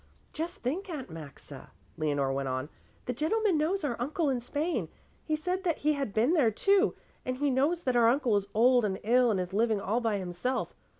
"Just think, Aunt Maxa," Leonore went on, "the gentleman knows our uncle in Spain. He said that he had been there, too, and he knows that our uncle is old and ill and is living all by himself.